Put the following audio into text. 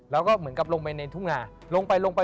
แล้วก็เหมือนกับลงไปในทุ่งหา